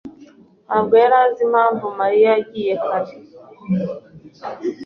ntabwo yari azi impamvu Mariya yagiye kare.